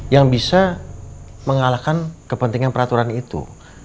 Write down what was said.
yang bisa mengalahkan kepentingan peraturan itu